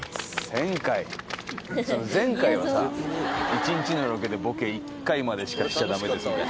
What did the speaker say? １日のロケでボケ１回までしかしちゃダメですみたいな。